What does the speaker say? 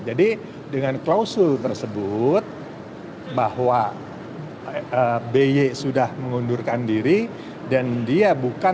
jadi dengan klausul tersebut bahwa by sudah mengundurkan diri dan dia bukan melakukan